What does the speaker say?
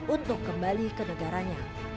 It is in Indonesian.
untuk kembali ke negaranya